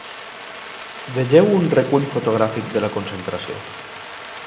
Vegeu un recull fotogràfic de la concentració.